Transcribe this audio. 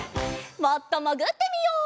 もっともぐってみよう。